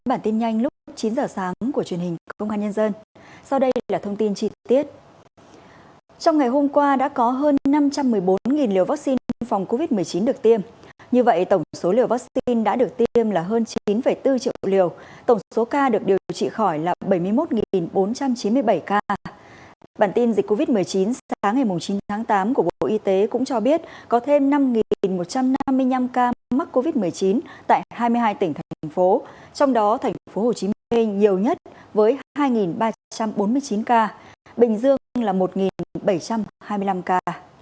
bản tin dịch covid một mươi chín sáng ngày chín tháng tám của bộ y tế cũng cho biết có thêm năm một trăm năm mươi năm ca mắc covid một mươi chín tại hai mươi hai tỉnh thành phố trong đó thành phố hồ chí minh nhiều nhất với hai ba trăm bốn mươi chín ca bình dương là một bảy trăm hai mươi năm ca